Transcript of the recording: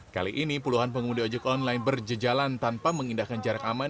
kali ini puluhan pengemudi ojek online berjejalan tanpa mengindahkan jarak aman